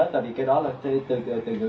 tại vì cái đó là từ nữ